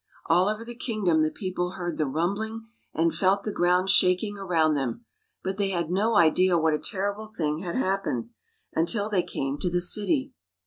All over the kingdom the people heard the rumbling and felt the ground shaking around them, but they had no idea what a terrible thing had happened, until they came to the city.